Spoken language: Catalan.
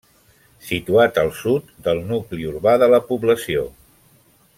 Situat al sud del nucli urbà de la població.